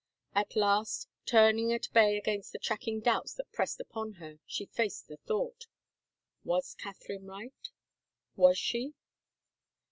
... At last, turning at bay against the tracking doubts that pressed upon her, she faced the thought. Was Catherine right? Was she?